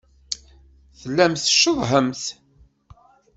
Tellamt tceḍḍḥemt.